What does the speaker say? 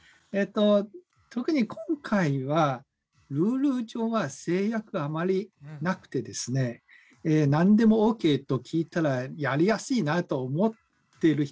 特に今回はルール上は制約があまりなくてですね何でもＯＫと聞いたらやりやすいなと思っている人